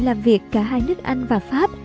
làm việc cả hai nước anh và pháp